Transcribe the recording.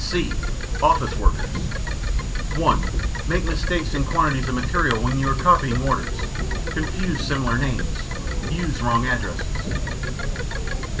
(c) Office Workers (1) Make mistakes in quantities of material when you are copying orders. Confuse similar names. Use wrong addresses.